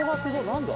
何だ？